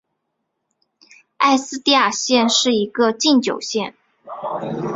埃斯蒂尔县是一个禁酒县。